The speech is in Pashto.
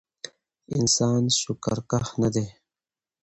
انسان شکرکښ نه دی